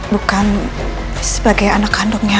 bukan sebagai anak kandungnya